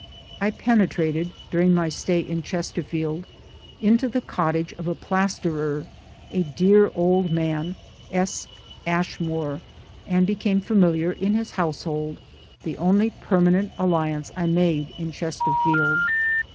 I penetrated, during my stay in Chesterfield, into the cottage of a plasterer, a dear old man, S. Ashmore, and became familiar in his household the only permanent alliance I made in Chesterfield.